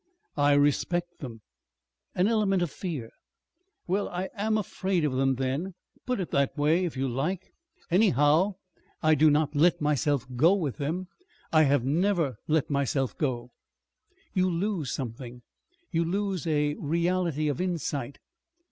"I respect them." "An element of fear." "Well, I am afraid of them then. Put it that way if you like. Anyhow I do not let myself go with them. I have never let myself go." "You lose something. You lose a reality of insight."